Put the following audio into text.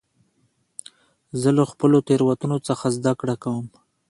زه له خپلو تېروتنو څخه زدهکړه کوم.